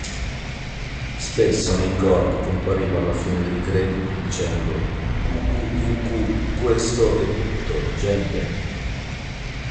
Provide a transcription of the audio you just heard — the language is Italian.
Spesso nei corti compariva alla fine dei crediti dicendo "q-q-q-q-questo è tutto gente!